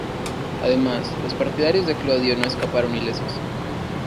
Además, los partidarios de Clodio no escaparon ilesos.